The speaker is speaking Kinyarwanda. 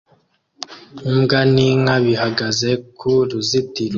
Imbwa n'inka bihagaze ku ruzitiro